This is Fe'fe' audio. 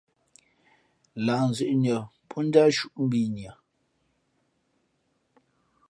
Lah nzʉ̄ʼ nʉα pó njáʼ shūʼ mbǐnʉα.